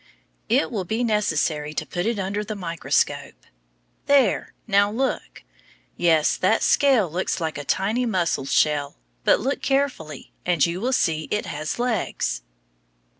It will be necessary to put it under the microscope. There, now look. Yes, that scale looks like a tiny mussel shell; but look carefully, and you will see it has legs.